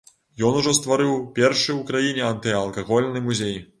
Ён ужо стварыў першы ў краіне антыалкагольны музей.